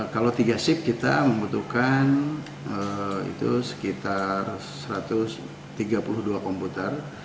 kalau tiga sip kita membutuhkan itu sekitar satu ratus tiga puluh dua komputer